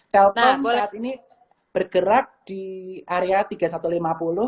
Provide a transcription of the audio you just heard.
telkom saat ini bergerak di area tiga ribu satu ratus lima puluh